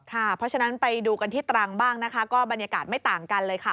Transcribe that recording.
เพราะฉะนั้นไปดูกันที่ตรังบ้างนะคะก็บรรยากาศไม่ต่างกันเลยค่ะ